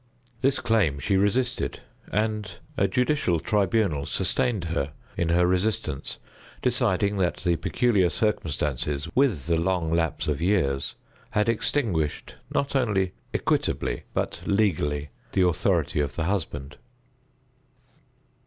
This claim she resisted, and a judicial tribunal sustained her in her resistance, deciding that the peculiar circumstances, with the long lapse of years, had extinguished, not only equitably, but legally, the authority of the husband.